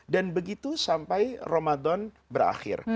dan begitu sampai ramadan berakhir